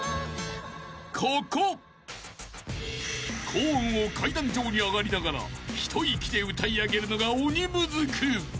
［高音を階段状に上がりながら一息で歌い上げるのが鬼ムズく